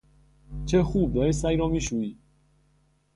چه خوب! داری سگ را میشوئی.